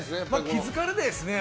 気づかれないですね。